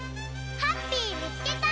ハッピーみつけた！